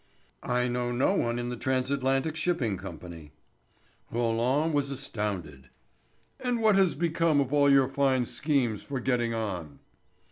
"I know no one in the Transatlantic Shipping Company." Roland was astounded. "And what has become of all your fine schemes for getting on?"